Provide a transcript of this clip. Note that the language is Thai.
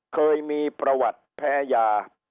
เคยมีประวัติแพ้ยา